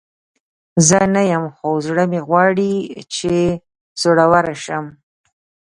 زه نه یم، خو زړه مې غواړي چې زړوره شم.